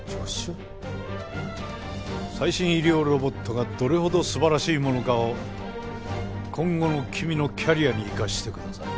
最新医療ロボットがどれほど素晴らしいものかを今後の君のキャリアに生かしてください。